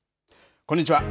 こんにちは。